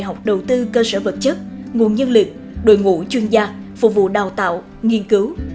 học đầu tư cơ sở vật chất nguồn nhân lực đội ngũ chuyên gia phục vụ đào tạo nghiên cứu